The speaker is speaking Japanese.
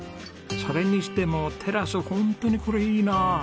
それにしてもテラスホントにこれいいなあ。